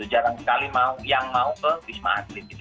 jarang sekali yang mau ke bisma adlit